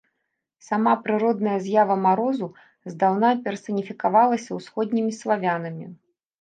Сама прыродная з'ява марозу здаўна персаніфікавалася ўсходнімі славянамі.